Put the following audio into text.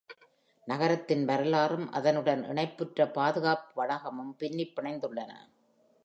நகரத்தின் வரலாறும் அதனுடன் இணைப்புற்ற பாதுகாப்பு வளாகமும் பின்னிப் பிணைந்துள்ளன.